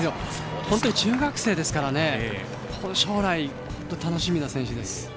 本当に中学生ですから将来、楽しみな選手です。